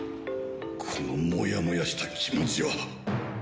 このモヤモヤした気持ちは。